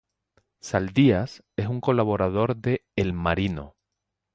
Saldías es un colaborador de "El Marino".